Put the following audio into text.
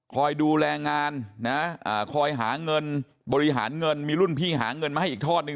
คอยดูแลงานนะคอยหาเงินบริหารเงินมีรุ่นพี่หาเงินมาให้อีกทอดนึ